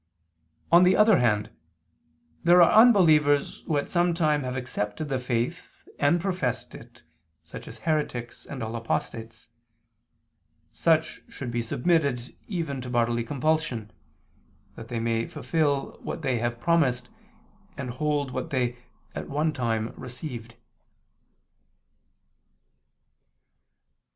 On the other hand, there are unbelievers who at some time have accepted the faith, and professed it, such as heretics and all apostates: such should be submitted even to bodily compulsion, that they may fulfil what they have promised, and hold what they, at one time, received.